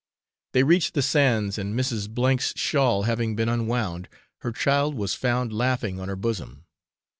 They reached the sands, and Mrs. N 's shawl having been unwound, her child was found laughing on her bosom.